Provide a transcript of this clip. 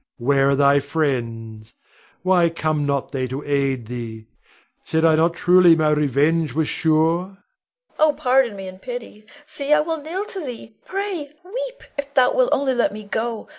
Where are thy friends? Why come they not to aid thee? Said I not truly my revenge was sure? Leonore. Oh, pardon me, and pity! See, I will kneel to thee, pray, weep, if thou wilt only let me go.